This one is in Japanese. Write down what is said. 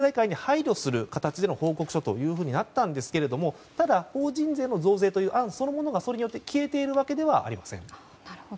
つまり、経済界に配慮する形での報告書となったんですがただ法人税の増税という案そのものがそれによって消えているわけではありません。